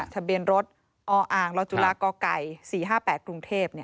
ทะเบียนรถออรจุรากก๔๕๘กรุงเทพฯ